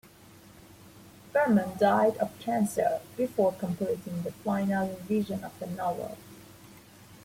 Fuhrman died of cancer before completing the final revision of the novel.